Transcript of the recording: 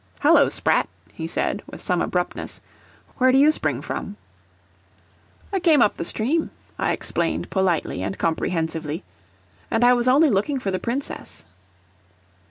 "Hallo, sprat!" he said, with some abruptness, "where do you spring from?" "I came up the stream," I explained politely and comprehensively, "and I was only looking for the Princess."